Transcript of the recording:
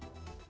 pada perang itu